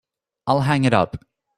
I'll hang it up.